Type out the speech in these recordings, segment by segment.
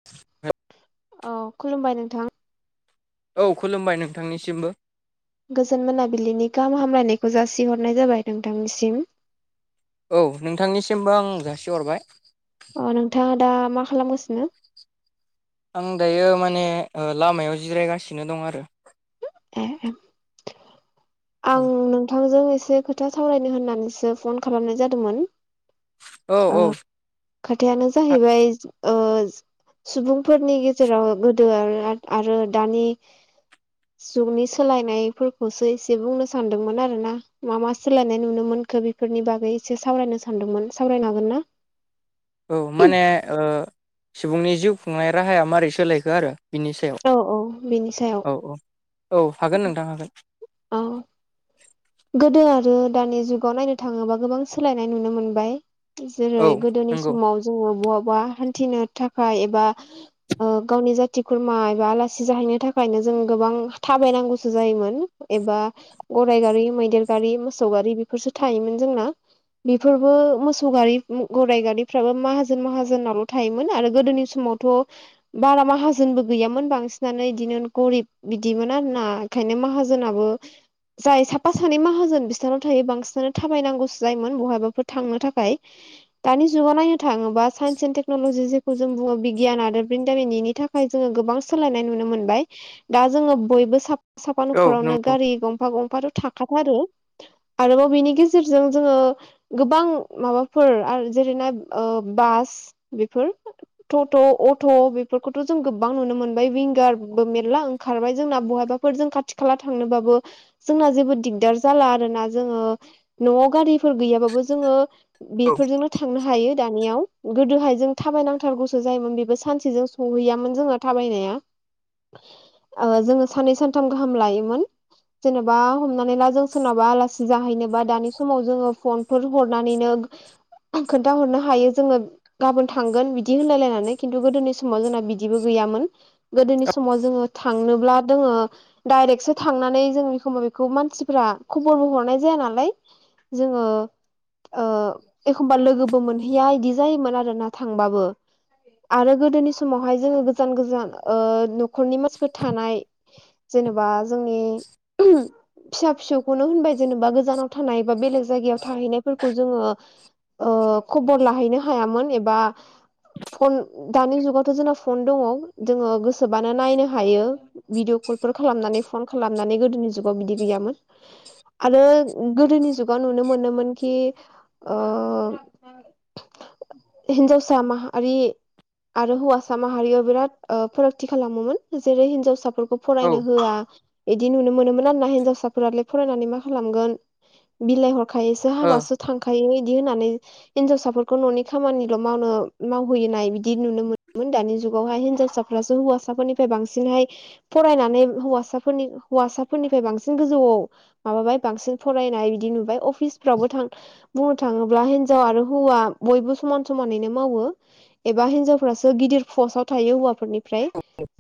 [unintelligible] औ खुलुमबाय नोंथां औ खुलुमबाय नोंथांनिसिमबो गोजोन मोनाबिलिनि गाहाम हामलायनायखौ जासिहरनाय जाबाय नोंथांनिसिम। औ नोंथांनिसिमबो आं जासिहरबाय। ओ नोंथाङा दा मा खालामगासिनो? आं दायो माने लामायाव जिरायगासिनो दं आरो। आं नोंथांजों एसे खोथा सावरायनो होननानैसो फन खालामनाय जादोंमोन औ ओ औ खोथायानो औ जाहैबाय ओ सुबुंफोरनि गेजेराव गोदो आरो आरो दानि जुगनि सोलायनायफोरखौसो एसे बुंनो सानदोंमोन आरो ना मा मा सोलायनाय नुनो मोनखो बि फोरनि बागै एसे सावरायनो सानदोंमोन सावरायनो हागोन ना? औ माने सुबुंनि जिउ खुंनाय राहाया मारै सोलायखो आरो बिनि सायाव। औ औ बेनि सायाव। औ औ औ हागोन नोंथां हागोन। औ गोदो आरो दानि जुगाव नायनो थाङोबा गोबां सोलायनाय नुनो मोनबाय जेरै औ गोदोनि नंगौ समाव जोङो बहाबा हान्थिनो थाखाय एबा गावनि जाथि खुरमा एबा आलासि जाहैनो थाखायनो जों गोबां थाबायनांगौसो जायोमोन। एबा गराइ गारि मैदेर गारि मोसौ गारि बेफोरसो थायोमोन जोंना। बेफोरबो मोसौ गारि गराइ गारिफ्राबो माहाजोन माहाजोनावल' थायोमोन आरो थ' बारा माहाजोनबो गैयामोन बांसिनानो बिदिनो गरिब बिदिमोन आरोना ओंखायनो माहाजोनाबो जाय सा फा सानै माहाजोन बिसोराव थायो बांसिनानो थाबायनांगौसो जायोमोन बहायाबाफोर थांनो थाखाय। दानि जुगाव नायनो थाङोबा साइन्स एन्ड टेक्न'लजि जेखौ जों बुङो बिगियान आरो ब्रिन्दामिनि था खाय जोङो गोबां सोलायनाय नुनो मोनबाय दा जोङो बयबो सा साफा औ न'खरावनो नंगौ गारि गंफा गंफाथ' थाखाथारो। आरोबाव बिनि गेजेरजों जोङो गोबां माबाफोर आरो जेरैना ओ बास बेफोर टट' अट' बेफोरखौथ' जों गोबां नुनो मोनबाय विंगारबो मेरला ओंखारबाय जोंना बहायबा फोर जों खाथि खाला थांनोबाबो जोंना जेबो दिगदार जाला आरोना जोङो न'आव गारिफोर गैयाबो जोङो बेफोरजोंनो थांनो हायो दानियाव गोदोाय जों थाबाय नांथारगौसोमोन जायोमोन बेबो सानसेजों सोवहैयामोन जोङो थाबायनाया ओ जोङो सानन सानथाम गाहाम लायोमोन जेनेबा हमनानै ला जों सोरनावाबा आलासि जाहैनोबा दानि समाव जोङो फनफोर हरनानैनो खोन्थाहरनो हायो जोङो गाबोन थांगोन बिदि होनलायलायनानै खिन्थु गोदोनि समाव जोंना बिदिबो गैयामोन। गोदोनि समाव जोङो थांनोब्ला दोङो डाइरेक्टसो थांनानै जों एखमबा बेखौ मानसिफ्रा खबरबो हरनाय जाया नालाय जोङो ओ एखमबा लोगोबो मोनहैया बिदि जायोमोन आरोना थांबाबो आरो गोदोनि समावहाय जोङो गोजान गोजान ओ न'खरनि मानसिफोर थानाय जेनेबा जोंनि फिसा-फिसौखौनो होनबाय जेनेबा गोजानाव थानाय बा बेलेग जायगायाव थाहैनायफोरखौ जोङो ओ खबर लाहैनो हायामोन एबा फन दानि जुगावथ' जोंना फन दङ जोङो गोसोबानो नायनो हायो। भिदिअ कलफोर खालामनानै फन खालामनानै गोदोनि जुगाव बिदि गैयामोन। आरो गोदोनि जुगाव नुनो मोनोमोन कि ओ हिनजावसा माहारि आरो हौवासा माहारियाव बिराद फारागथि खालामोमोन जेरै हिनजावसाफोरखौ औ फरायनो होआ बिदि नुनो मोनोमोन आरोना हिनजाव साफोरालाय फरायनानै मा खालामगोन बिलाइ हरखायो ओ हाबासो थांखायो इदि होननानै हिनजावसाफोरखौ न'नि खामानिल' मावनो मावहैनाय बिदि नुनो मोनोमोन दानि जुगावहाय हिनजावसा साफोरासो हौवासाफोरनिफ्राय बांसिनहाय फरायनानै हौसाफोरनि हौवासाफोरनिफ्राय बांसिन बांसिन गोजौआव माबाबाय बांसिन फरायनाय बिदि नुबाय अफिसफ्रावबो थां बुंनो थाङोब्ला हिनजाव आरो हौवा बयबो समान समानैनो मावो। एबा हिनजावफोरासो गिदिर पस्टव थायो हौवाफोरनि फ्राय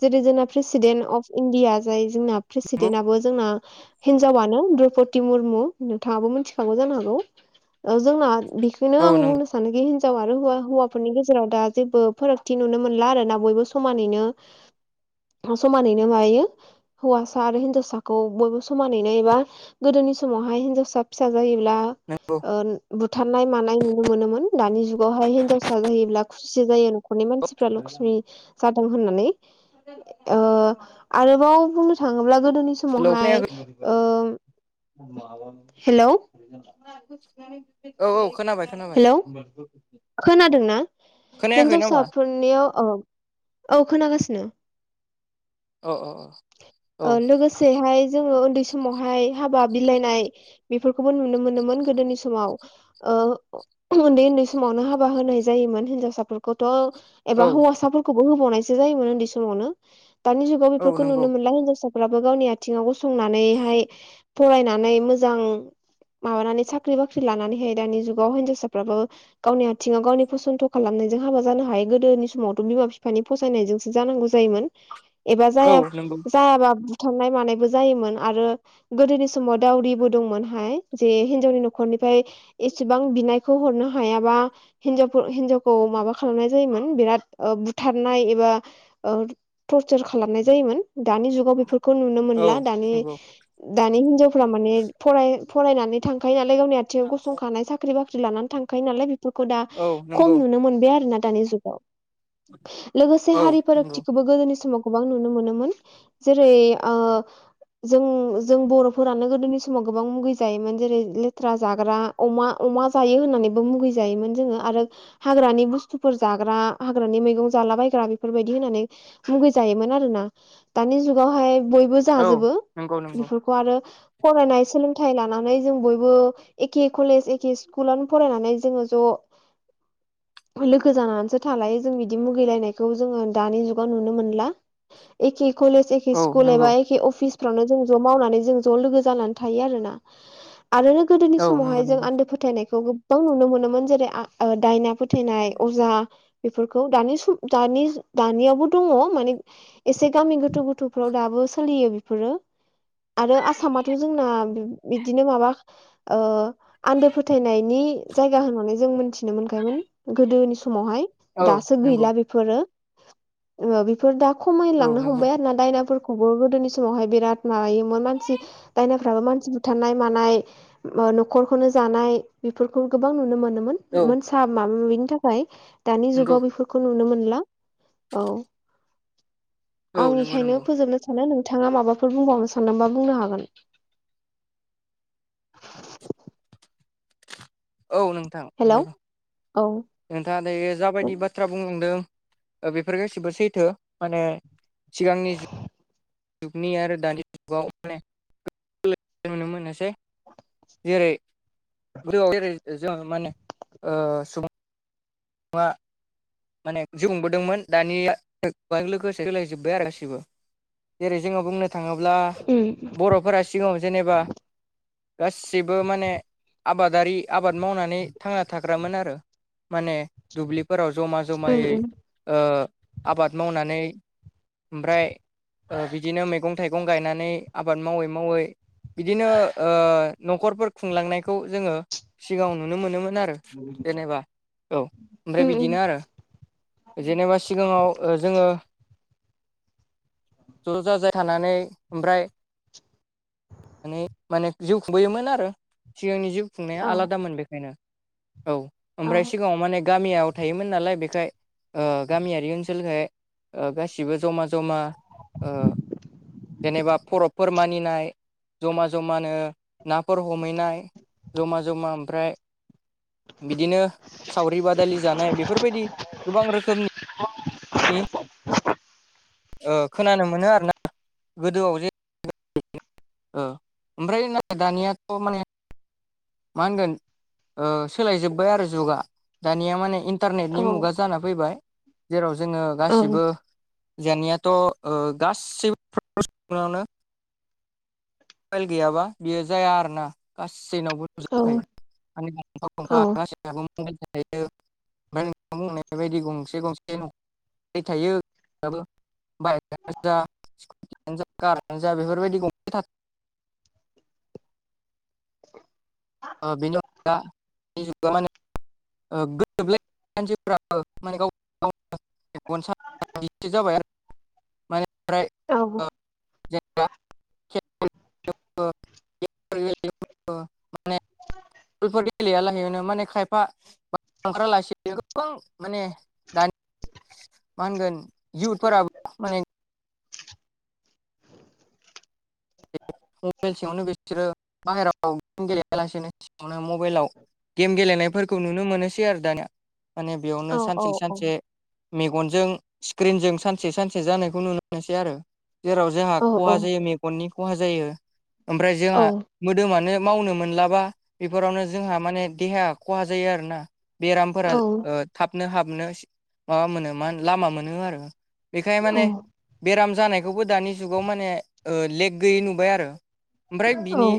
जेरै जोंना प्रेसिडेन्ट अफ इण्डिया जाय जोंना नंगौ प्रेसिडेन्टआबो जोंना हिनजावानो द्रौपदि मुरमु नोंथाङाबो मिथिखागौ जानो हागौ। ओ जोंना बिखौनो औ आं नंगौ बुंनो सा नोखि हिनजाव आरो हौवा हौवाफोरनि गेजेराव दा जेबो फारागथि नुनो मोनला आरोना बयबो समानैनो समानैनो मायो हौवासा आरो हिनजावसाखौ बयबो समानैनो एबा गोदोनि समावहाय हिनजावसा फिसा जायोब्ला नंगौ ओ बुथारनाय मानाय नुनो मोनोमोन दानि जुगावहाय हिनजावसा जायोब्ला खुसिसो जायो। खरनि मानसिफ्रा लक्ष्मि जादों होननानै ओ आरोबाव बुंनो थाङोब्ला गोदोनि हेलौ समावहाय खोनायाखै ओ हेल' औ औ खोनाबाय खोनाबाय हेलौ खोनादोंना खोनायाखै नामा हिनजावसाफोर नियाव औ औ खोनागासिनो औ औ ओ लोगोसेहाय जोङो उन्दै समावहाय हाबा बिलाइनाय बेफोरखौबो नुनो मोनोमोन गोदोनि समाव ओ उन्दै उन्दै समावनो हाबा होनाय जायोमोन हिनजावसाफोरखौथ' औ एबा हौवासाफोरखौबो होबावनायसो जायोमोन उन्दै समावनो दानि जुगाव औ बेफोरखौ नंगौ नुनो मोनला हिनजावसा फोराबो गावनि आथिङाव गसंनानैहाय फरायनानै मोजां माबानानै साख्रि बाख्रि लानानैहाय दानि जुगाव हिन्जावसाफ्राबो गावनि आथिङाव गावनि फसन्थ' खालामनायजों हाबा जानो हायो गोदोनि समावथ' बिमा-बिफानि फसायनायजोंसो जानांगौ जायोमोन। एबा औ जाया नंगौ जायाबा बुथारनाय मानायबो जायोमोन आरो गोदोनि समाव दावरिबो दंमोनहाय जे हिनजावनि न'खरनिफ्राय एसेबां बिनायखौ हरनो हायाबा हिन्जाव हिनजावखौ माबा खालामनाय जायोमोन बिराद बुथारनाय एबा ओ टरचार खालामनाय जायोमोन दानि जुगाव बेफोरखौ नुनो औ मोनला दानि नंगौ दानि हिनजावफ्रा माने फराय फरायनानै थांखायो नालाय गावनि आथिं गसंखानाय साख साख्रि बाख्रि लानानै थांखायो नालाय बेफोरखौ दा औ नंगौ खम नुनो मोनबाय आरो ना दानि जुगाव लोगोसे औ हारि नंगौ फोरागथिखौबो गोदोनि समाव गोबां नुनो मोनोमोन जेरै ओ जों जों बर'फोरानो गोदोनि समाव गोबां मुगै जायोमोन जेरै लेथ्रा जाग्रा अमा अमा जायो होननानैबो मुगैजायोमोन जोङो आरो हाग्रानि बुस्थुफोर जाग्रा हाग्रानि मैगं जाला बायग्रा बेफोरबायदि होनानै मुगै जायोमोन आरोना दानि जुगावहाय बयबो औ जाजोबो नंगौ नंगौ बेफोरखौ खौ आरो फरायनाय सोलोंथाइ लानानै जों बयबो एखे कलेज एखे स्कुलावनो फरायनानै जोङो ज' लोगो जानानैसो थालायो जों बिदि मुगैलायनायखौ जोङो दानि जुगाव नुनो मोनला एखे कलेज एखे औ स्कुल नंगौ एबा एखे अफि फिसफ्रावनो जों ज' मावनानै जों ज' लोगो जानानै थायो आरोना आरो गोदोनि औ नंगौ समावहाय जों नंगौ आन्दो फोथायनायखौ गोबां नुनो मोनोमोन जेरै आ ओ दायना फ फोथैनाय अजा बेफोरखौ दानि सम दानि दानि दानियावबो दङ माने एसे गामि गोथौ गोथौफोराव दाबो सोलियो बेफोरो आरो आसामाथ' जोंना बिदिनो माबा ओ आन्दो फोथायनायनि जायगा होननानै जों मोनथिनो मोनखायमोन गोदोनि समावहाय औ दासो नंगौ गैला बेफोरो ओ बेफोर दा औ खमायलांनो नंगौ हमबाय आरो दायनाफोरखौबो गोदोनि स समावहाय बिराद माबायोमोन मानसि दायनाफ्राबो मानसि बुथारनाय मानाय न'खरखौनो जानाय बेफोरखौ गोबां नुनो मोनोमोन औ मोनसा माबा माबिनि थाखाय दानि नंगौ जुगाव बे खौ नुनो मोनला औ औ नंगौ आंनिखायनो नंगौ फोजोबनो सानो नों बिथाङा माबाफोर बुंबावनो सानदोंबा बुंनो हागोन औ नों हेलौ औ नोंथाङा दायो जाबायदि बाथ्रा बुंलांदों बेफोर गाससिबो सैथो माने सिगांनि जुगनि आरो दानि जुगाव अ नुनो मोननोसै। जेरै गो जै जों माने ओ सुबुं मा। माने जि बुंबोदोंमोन दानिया लोगोसे सीलाय जोबबाय आरो गासिबो।। जेरै जोङो बुंनो थाङोब्ला बर'फोरा सिगाङाव जेनेबा गासिबो माने आबादारि आबाद मावनानै थांना थाग्रामोन आरो माने दुब्लिफोराव जमा जमायै आबाद मावनानै ओमफ्राय बिदिनो मैगं थाइगं गायनानै आबाद मावै मावै बिदिनो ओ न'खरफोर खुंलांनायखौ जोङो सिगाङाव नुनो मोनोमोन आरो [inaudible] जेनेबा औ ओमफ्राय बिदिनो आरो जेनेबा सिगाङाव जोङो ज'-ज' जा-जाय थानानै ओमफ्राय माने जिउ खुंबोयोमोन आरो सिगांनि जिउ खुंनाया आलादामोन बेखायनो औ ओमफ्राय सिगाङाव माने गामियाव थायोमोन नालाय बेखाय गामियारि ओनसोलखाय ओ गासिबो जमा जमा जेनेबा फरबफोर मानिनाय' जमा जमानो नाफोर हमहैनाय जमा जमा ओमफ्राय बिदिनो सावरि बादालि जानाय बेफोरबायदि गोबां रोखोमनि औ। [inaudible] ओ खोनानो मोनो आरोना गोदोआव जे ओमफ्राय न दानियाथ' माने मा होनगोन सोलाय जोब्बाय आरो जुगा दानिया माने इन्ट इन्टारनेटनि मुगा जाना फैबाय जेराव जोङो गासिबो जेनियाथ' गासैफफ्रवनो [inaudible] मबाइल गैयाबा बियो जाया आरो ना गासैनावबो नुजोबखायो गंफा गंफा [inaudible] [inaudible] मबायल ओमफ्राय नों बुंनाय बायदि गंसे गंसे नख' थायो बाय जा [inaudible] खानो जा गारानो जा बेफोरबायदि गं [inaudible] बिनि अनगा [inaudible] [unintelligible] [unintelligible] इसे जाबाय आरो माने ओमफ्राय [unintelligible] [inaudible] [unintelligible] माने [inaudible] लफोर गेलेयालाहैनो माने खायफा खग्रा लासि गोबां माने [unintelligible] [inaudible] मा होनगोन इउथफोराबो मबाइल सिङावनो बिसोरो बाहेरायाव गेम गेलेयालासिनो सिङावनो मबाइलाव [inaudible] गेम गेलेनायफोरखौ नुनो मोनोसै आरो दानिया माने बेयावनो सानसे सानसे मेगनजों स्क्रिनजों सानसे सानसे जानायखौ नुनो मोनोसै आरो! जेराव जोंहा खहा जायो मेगननि खहा जायो ओमफ्राय जोंहा मोदोमानो मावनो मोनलाबा बेफोरावनो जोंहा माने देहाया खहा जायो आरो ना-! बेरामफोरा थाबनो हाबनो माबा मोनो मा लामा मोनो आरो बेखाय माने बेराम जानायखौबो दानि जुगाव माने लेक गैयै नुबाय आरो ओमफ्राय बिनि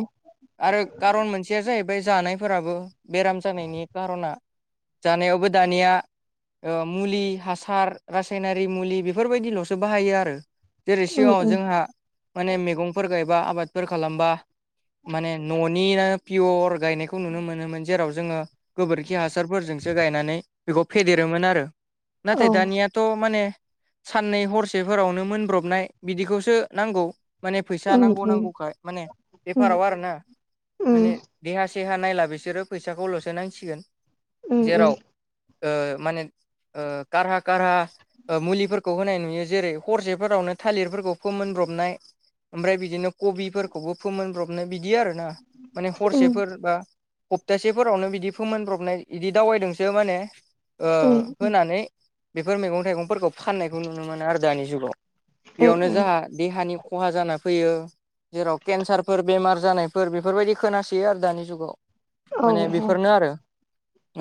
आरो खारन मोनसेया जाहैबाय जानायफोराबो बेराम जानायनि खार'ना जानायावबो दानिया मुलि हासार रासायनारि मुलि बेफोरबायदिल'सो बाहायो आरो जेरै सिगाङाव जोंहा माने मैगंफोर गायबा आबादफोर खालामबा माने न'निनो पियर गायनायखौ नुनो मोनोमोन जेराव जोङो गोबोरखि हासारफोरजोंसो गायनानै बेखौ फेदेरोमोन आरो नाथाय दानिया थ' माने साननै हरसेफोरावनो मोनब्रबनाय बिदिखौसो नांगौ। माने फैसा नांगौ नांगौखाय माने बेफाराव आरोना माने देहा सेहा नायला बिसोरो फैसाखौ लसो नांसिगोन। उम उम। जेराव ओ माने कारहा कारहा ओ मुलिफोरखौ होनाय नुयो जेरै हरसेफोरावनो थालिरफोरखौ फोमोनब्रबनाय ओमफ्राय बिदिनो कबिफोरखौबो फोमोनब्रबनो बिदि आरोना माने हरसेफोर बा हप्तासेफोरावनो बिदि फोमोनब्रबनाय बिदि दावबायदोंसो माने ओ होनानै बेफोर मैगं थाइगंफोरखौ फाननायखौ नुनो मोनो आरो दानि जुगाव। बेयावनो जाहा देहानि खहा जाना फैयो। जेराव केन्सारफोर बेमार जानायफोर बेफोरबायदि खोनासैयो आरो दानि जुगाव। माने बेफोरनो आरो।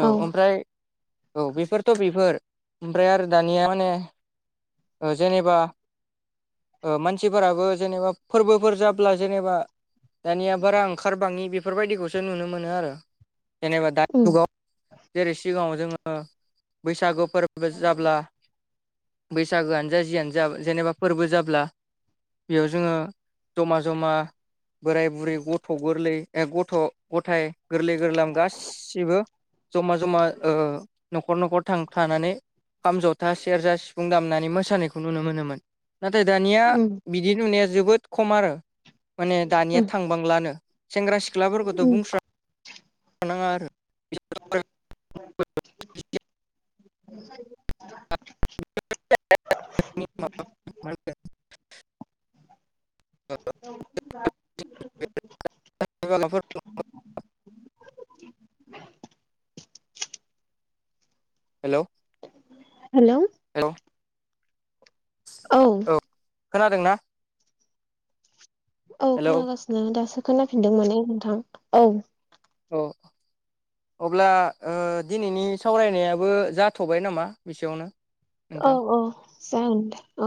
औ ओमफ्राय औ बेफोरथ' बेफोर ओमफ्राय आरो दानिया माने जेनेबा ओ मानसि फोराबो जेनेबा फोरबोफोर जाब्ला जेनेबा दानिया बारा ओंखारबाङि बेफोरबायदिखौसो नुनो मोनो आरो जेनेबा दानि जुगाव। जेरै सिगाङाव जोङो बैसागु फोरबो जाब्ला बैसागोआनो जा जियानो जा जेनेबा फोरबो जाब्ला बेयाव जोङो ज'मा ज'मा बोराय बुरै गथ' गोरलै ए गथ' गथाय गोरलै गोरलाम गासिबो ज'मा ज'मा ओ न'खर न'खर थां थानानै खाम, ज'था, सेरजा, सिफुं दामनानै मोसानायखौ नुनो मोनोमोन। नाथाय दानिया बिदि नुनाया जोबोद खम आरो माने दानिया थां बांलानो सेंग्रा सिख्लाफोरखौथ' बुंस्रा नाङा आरो [unintelligible] [unintelligible] हेलौ हेलौ हेलौ औ खोनादोंना? औ हेलौ खोनागासिनो दासो खोनाफिनदों मोने नोंथां औ। अ' अब्ला ओ दिनैनि सावरायनायाबो जाथ'बाय नामा एसेयावनो? औ नोंथां औ जागोन दे औ